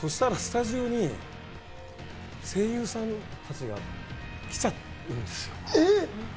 そうしたらスタジオに声優さんたちが来ちゃったんですよ。